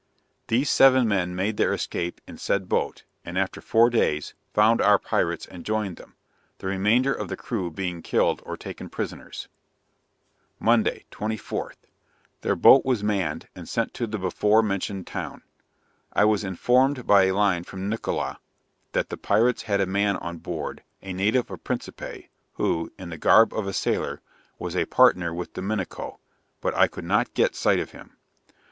These seven men made their escape in said boat, and after four days, found our pirates and joined them; the remainder of the crew being killed or taken prisoners. Monday, 24th. Their boat was manned and sent to the before mentioned town. I was informed by a line from Nickola, that the pirates had a man on board, a native of Principe, who, in the garb of a sailor, was a partner with Dominico, but I could not get sight of him.